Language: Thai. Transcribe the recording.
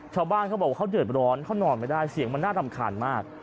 ชาวบ้านเขาบอกว่าเขาเดือดร้อนเขานอนไม่ได้เสียงมันน่ารำคาญมาก